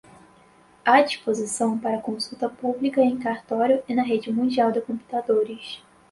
à disposição para consulta pública em cartório e na rede mundial de computadores